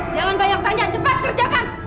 jangan banyak tanya cepat kerjakan